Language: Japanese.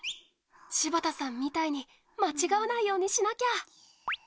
柴田さんみたいに間違わないようにしなきゃっ！